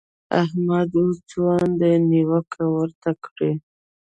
احمد اوس ځوان دی؛ نيوکه ورته کړئ.